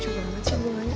cukup lama cerbauannya